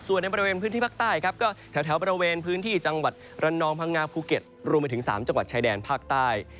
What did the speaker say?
ส่วนในบริเวณพื้นที่ภาคใต้ครับก็แถวบริเวณพื้นที่จังหวัดระนองพังงาภูเก็ตรวมไปถึง๓จังหวัดชายแดนภาคใต้